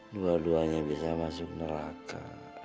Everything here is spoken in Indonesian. dua duanya bisa masuk neraka